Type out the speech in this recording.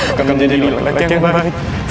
akan menjadi neklek yang baik